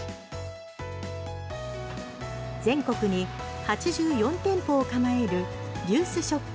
全国に８４店舗を構えるリユースショップ